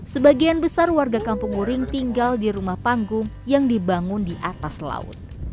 sebagian besar warga kampung nguring tinggal di rumah panggung yang dibangun di atas laut